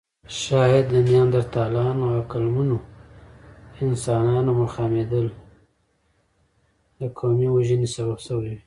شاید د نیاندرتالانو او عقلمنو انسانانو مخامخېدل د قومي وژنې سبب شوې وي.